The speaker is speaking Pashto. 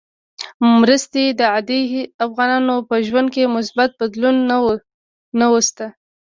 مرستې د عادي افغانانو په ژوند کې مثبت بدلون نه وست.